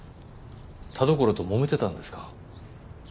田所ともめてたんですか？